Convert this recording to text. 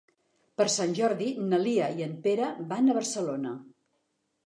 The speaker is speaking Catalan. Per Sant Jordi na Lia i en Pere van a Barcelona.